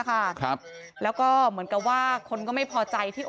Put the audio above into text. ครับแล้วก็เหมือนกับว่าคนก็ไม่พอใจที่